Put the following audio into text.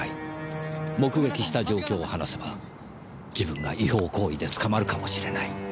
目撃した状況を話せば自分が違法行為で捕まるかもしれない。